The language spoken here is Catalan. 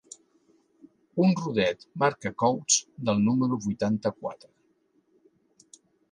Un rodet, marca Koats, del número vuitanta-quatre.